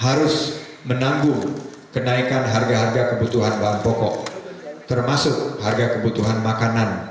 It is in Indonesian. harus menanggung kenaikan harga harga kebutuhan bahan pokok termasuk harga kebutuhan makanan